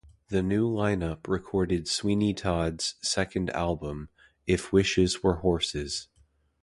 The new lineup recorded Sweeney Todd's second album, "If Wishes Were Horses".